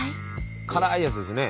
辛いやつですよね。